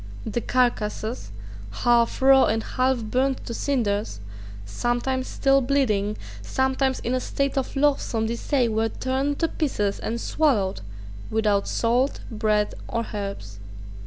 The carcasses, half raw and half burned to cinders, sometimes still bleeding, sometimes in a state of loathsome decay, were torn to pieces and swallowed without salt, bread, or herbs.